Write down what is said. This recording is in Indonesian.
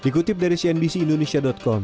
dikutip dari cnbc indonesia com